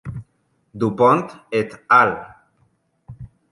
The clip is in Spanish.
Dupont et al.